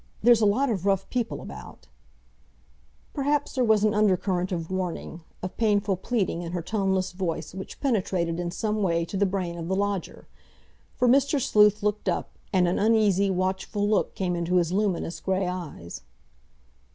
There's a lot of rough people about—" Perhaps there was an undercurrent of warning, of painful pleading, in her toneless voice which penetrated in some way to the brain of the lodger, for Mr. Sleuth looked up, and an uneasy, watchful look came into his luminous grey eyes.